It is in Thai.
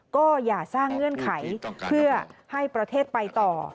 ก็อย่าสร้างเงื่อนไขเพื่อให้ประเทศไปต่อ